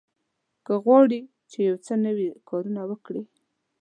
هغه غواړي چې یو څه نوي کارونه وکړي.